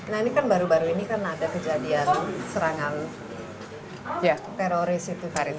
nah ini kan baru baru ini kan ada kejadian serangan teroris itu farid